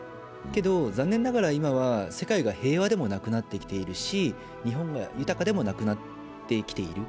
けど残念ながら今は世界が平和でもなくなってきているし日本が豊かでもなくなってきている。